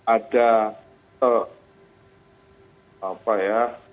ada apa ya